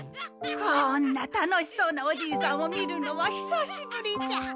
こんな楽しそうなおじいさんを見るのはひさしぶりじゃ。